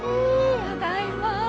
ただいま！